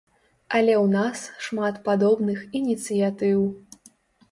Але ў нас шмат падобных ініцыятыў.